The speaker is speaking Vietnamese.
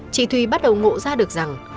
chị thùy bắt đầu ngộ ra được rằng